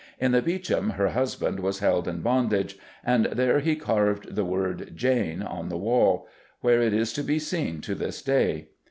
In the Beauchamp her husband was held in bondage, and there he carved the word "Jane" on the wall, where it is to be seen to this day.